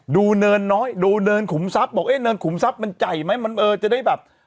เนินน้อยดูเนินขุมทรัพย์บอกเอ๊ะเนินขุมทรัพย์มันใหญ่ไหมมันเออจะได้แบบ